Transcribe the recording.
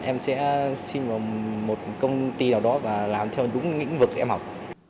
em sẽ sinh vào một công ty nào đó và làm theo đúng những vực em học